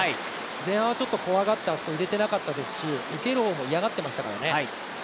前半は怖がって、あそこに入れていなかったですし、受ける方も嫌がったいましたからね。